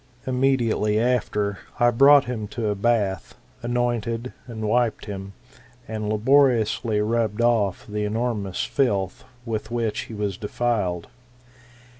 Immediately after, I brought him to a bath, anointed, and wiped him, and labor iously rubbed off the enormous filth with which he was defiled.